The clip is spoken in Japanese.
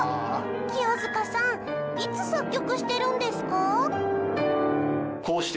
清塚さんいつ作曲してるんですか？